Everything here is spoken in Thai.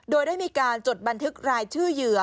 โดยได้มีการจดบันทึกรายชื่อเหยื่อ